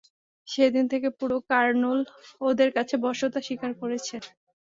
সেদিন থেকে পুরো কারনুল ওর কাছে বশ্যতা স্বীকার করেছে।